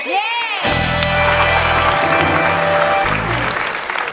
เพลงนี้เพลงอะไรครับพี่รัมพันธ์